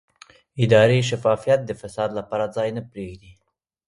اداري شفافیت د فساد لپاره ځای نه پرېږدي